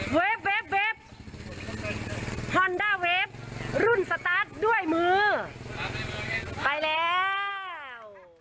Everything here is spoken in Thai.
เว็บฮอนด้าเวฟรุ่นสตาร์ทด้วยมือไปแล้ว